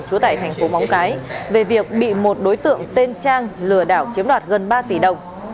trú tại thành phố móng cái về việc bị một đối tượng tên trang lừa đảo chiếm đoạt gần ba tỷ đồng